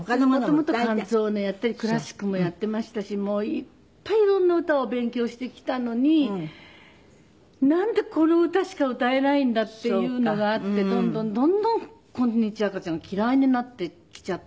元々カンツォーネやったりクラシックもやっていましたしもういっぱい色んな歌を勉強してきたのになんでこの歌しか歌えないんだっていうのがあってどんどんどんどん『こんにちは赤ちゃん』が嫌いになってきちゃったんです。